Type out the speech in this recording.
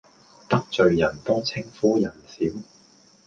得罪人多稱呼人少